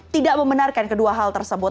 tidak membenarkan kedua hal tersebut